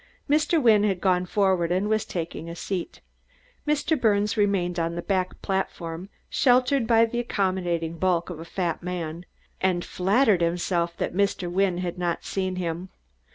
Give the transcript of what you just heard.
Mr. Wynne had gone forward and was taking a seat; Mr. Birnes remained on the back platform, sheltered by the accommodating bulk of a fat man, and flattered himself that Mr. Wynne had not seen him.